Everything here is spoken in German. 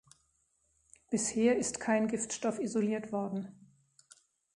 Bisher ist kein Giftstoff isoliert worden.